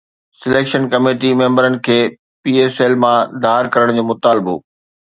selection committee ميمبرن کي P S L مان ڌار ڪرڻ جو مطالبو